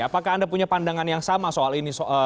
apakah anda punya pandangan yang sama soal ini